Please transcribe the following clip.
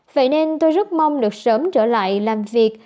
vậy nên tôi rất mong được sớm trở lại làm việc